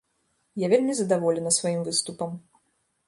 Я вельмі задаволена сваім выступам.